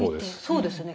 そうですよね